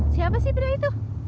siapa sih pria itu